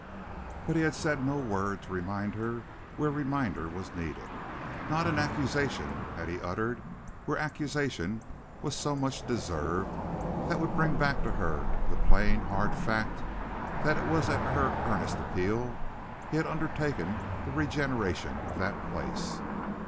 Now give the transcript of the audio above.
But he had said no word to remind her where reminder was needed, not an accusation had he uttered where accusation was so much deserved, that would bring back to her the plain, hard fact that it was at her earnest appeal he had undertaken the regeneration of that place.